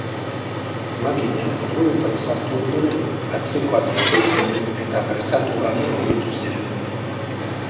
Makina furgonetan sartu ondoren atzeko ateak itxi eta presatu gabe mugitu ziren.